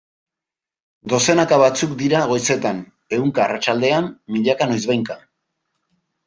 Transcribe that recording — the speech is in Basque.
Dozenaka batzuk dira goizetan, ehunka arratsaldetan, milaka noizbehinka...